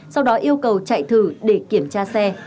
sau đó yêu cầu chạy thử để kiểm tra xe